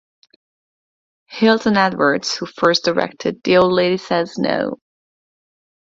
Hilton Edwards, who first directed "The Old Lady Says "No!